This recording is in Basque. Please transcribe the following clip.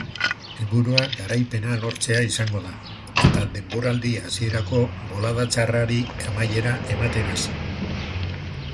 Helburua garaipena lortzea izango da eta denboraldi hasierako bolada txarrari amaiera ematen hasi.